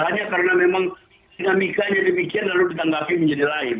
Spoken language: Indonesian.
hanya karena memang dinamikanya demikian lalu ditanggapi menjadi lain